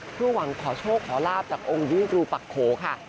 เพื่อหวังขอโชคขอลาบจากองค์วิรูปักโขค่ะ